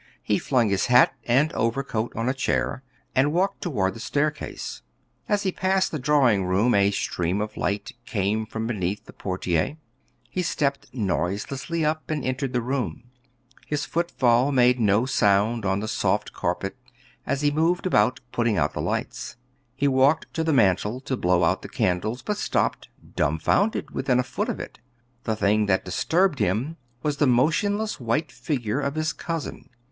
He flung his hat and overcoat on a chair and walked toward the staircase. As he passed the drawing room, a stream of light came from beneath the portiere. He hesitated in surprise, everything was so quiet. Probably the last one had forgotten to put out the lights. He stepped noiselessly up and entered the room. His footfall made no sound on the soft carpet as he moved about putting out the lights. He walked to the mantel to blow out the candles, but stopped, dumfounded, within a foot of it. The thing that disturbed him was the motionless white figure of his cousin.